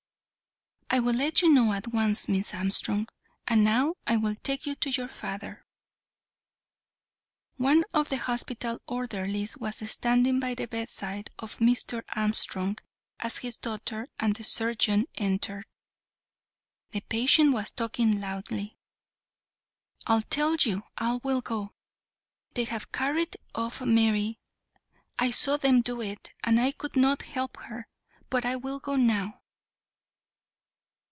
"I will let you know at once, Miss Armstrong; and now I will take you to your father." One of the hospital orderlies was standing by the bedside of Mr. Armstrong as his daughter and the surgeon entered. The patient was talking loudly. "I tell you I will go. They have carried off Mary. I saw them do it and could not help her, but I will go now."